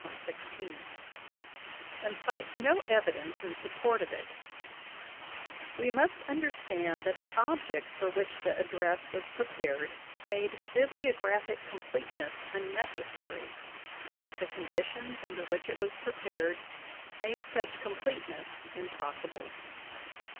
116) and cites no evidence in support of it, we must understand that the object for which the address was prepared made biblio graphic completeness unnecessary, and that the conditions under which it was prepared made such completeness impos sible.